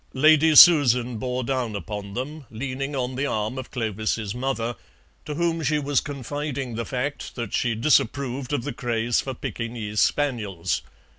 Lady Susan bore down upon them, leaning on the arm of Clovis's mother, to whom she was confiding the fact that she disapproved of the craze for Pekingese spaniels.